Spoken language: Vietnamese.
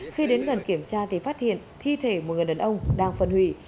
khi đến gần kiểm tra thì phát hiện thi thể một người đàn ông đang phân hủy